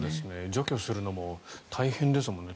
除去するのも大変ですもんね。